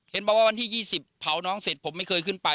เห็นปะว่าที่๒๐เผาน้องเสร็จครับผมเคยขึ้นไป